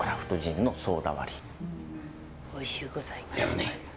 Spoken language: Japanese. おいしゅうございました。